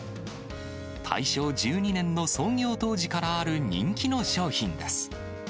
大正１２年の創業当時からある人気の商品です。